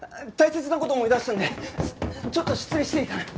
大切な事思い出したんでちょっと失礼していいかな？